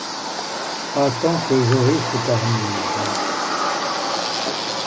Pas tant que j'aurai cette armure.